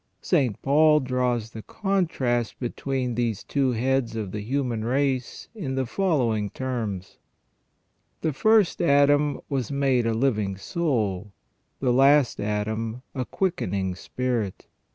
St. Paul draws the contrast between these two heads of the human race in the following terms :" The first Adam was made a living soul ; the last Adam a quickening spirit.